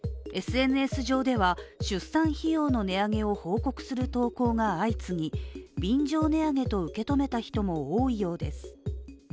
ＳＮＳ上では、出産費用の値上げを報告する投稿が相次ぎ、便乗値上げと受け止めた人も多いようです。